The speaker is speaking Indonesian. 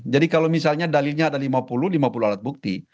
jadi kalau misalnya dalilnya ada lima puluh lima puluh alat bukti